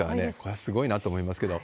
すごいなと思いますけれども。